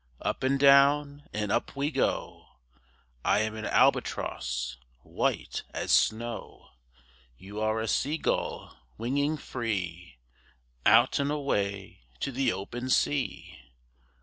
Up and down and up we go! I am an albatross white as snow, You are a sea gull, winging free Out and away to the open sea.